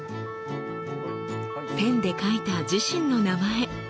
ペンで書いた自身の名前。